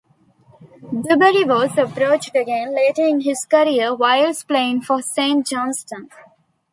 Duberry was approached again, later in his career, whilst playing for Saint Johnstone.